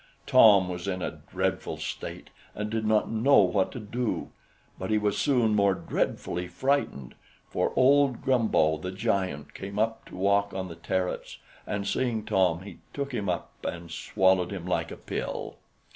Tom was in a dreadful state, and did not know what to do; but he was soon more dreadfully frightened; for old Grumbo the giant came up to walk on the terrace, and seeing Tom, he took him up and swallowed him like a pill.